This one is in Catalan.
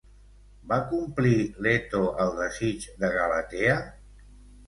Va complir Leto el desig de Galatea?